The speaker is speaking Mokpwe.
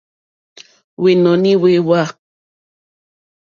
Hwènɔ̀ní hwé hwǎ.